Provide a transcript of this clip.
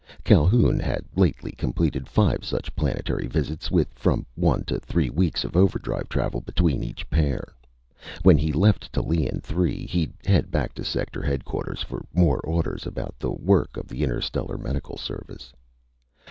Calhoun had lately completed five such planetary visits, with from one to three weeks of overdrive travel between each pair. When he left Tallien Three he'd head back to Sector Headquarters for more orders about the work of the Interstellar Medical Service.